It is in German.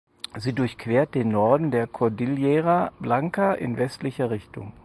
Sie durchquert den Norden der Cordillera Blanca in westlicher Richtung.